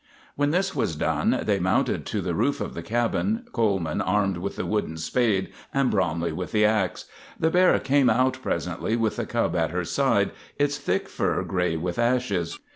When this was done they mounted to the roof of the cabin, Coleman armed with the wooden spade and Bromley with the ax. The bear came out presently, with the cub at her side, its thick fur gray with ashes.